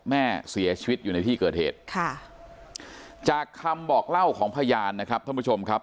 แม่เสียชีวิตอยู่ในที่เกิดเหตุค่ะจากคำบอกเล่าของพยานนะครับท่านผู้ชมครับ